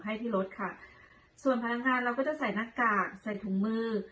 ให้ที่รถค่ะส่วนพนักงานเราก็จะใส่หน้ากากใส่ถุงมือ